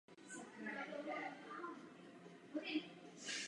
Během svého působení v Praze byl i starostou Historického klubu.